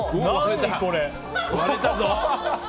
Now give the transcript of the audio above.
割れたぞ。